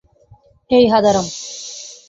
হেই, হাঁদারাম!